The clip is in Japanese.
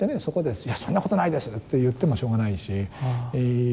そこで「いやそんなことないです！」と言ってもしようがないし。